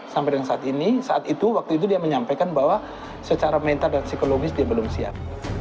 sampai dengan saat ini saat itu waktu itu dia menyampaikan bahwa secara mental dan psikologis dia belum siap